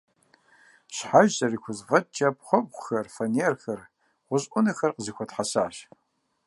Щхьэж зэрыхузэфӏэкӏкӏэ пхъэбгъухэр, фанерхэр, гъущӏ ӏунэхэр къызэхуэтхьэсащ.